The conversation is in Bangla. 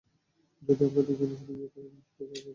যদি আমরা দুজন শুধু বিয়ে করে নেই - সেটা কি বৈধ হবে না?